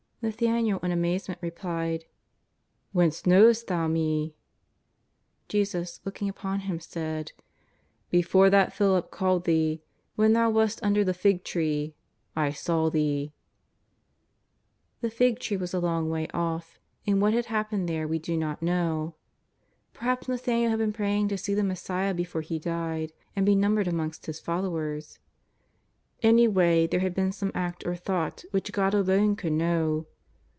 '' Nathaniel in amazement replied :" Whence knowest Thou me ?" Jesus looking upon him said :" Before that Philip called thee, when thou wast under the fig tree, I saw thee." The fig tree was a long way off, and what had hap pened there we do not know. Perhaps !N^athaniel had been praying to see the Messiah before he died, and be numbered amongst His followers. Any way there had been some act or thought which God alone could know.